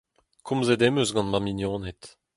Komzet em eus gant ma mignoned.